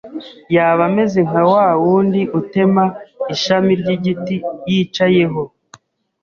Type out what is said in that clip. yaba ameze nka wa wundi utema ishami ry’igiti yicayeho